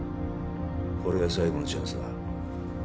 これが最後のチャンスだ